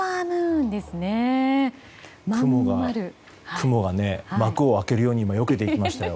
雲が幕を開けるように今、よけていきましたよ。